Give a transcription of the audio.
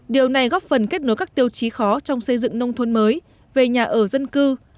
điều này góp phần kết nối các tiêu chí khó trong xây dựng nông thôn mới về nhà ở dân cư